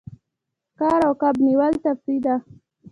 ښکار او کب نیول تفریح ده.